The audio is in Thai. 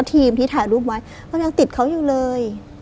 ทีมที่ถ่ายรูปไว้มันยังติดเขาอยู่เลย